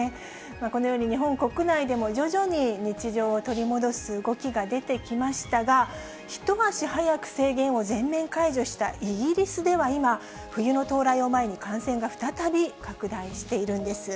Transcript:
このように、日本国内でも徐々に日常を取り戻す動きが出てきましたが、一足早く制限を全面解除したイギリスでは今、冬の到来を前に、感染が再び拡大しているんです。